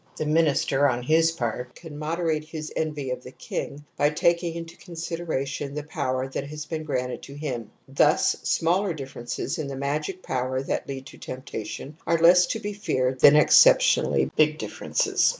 The minister, on his part, can moderate his envy of the king by taking into consideration the power that has been granted to him. Thus smaller differences in the magic power that lead to temptation are less to be feared than ex ceptionally big differences.